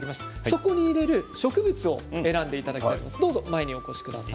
そこに入れる植物を選んでいただきます。